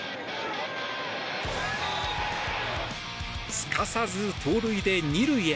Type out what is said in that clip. すかさず盗塁で２塁へ。